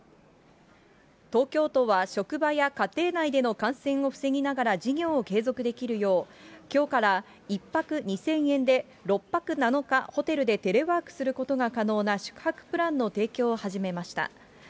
東京都は職場や家庭内での感染を防ぎながら事業を継続できるよう、きょうから１泊２０００円で６泊７日、ホテルでテレワークすることが可能な宿泊プランの提供を始めました。